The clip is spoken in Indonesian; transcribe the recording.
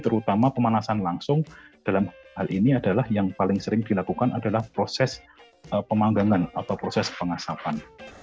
terutama pemanasan langsung dalam hal ini adalah yang paling sering dilakukan adalah proses pemanggangan atau proses pengasapan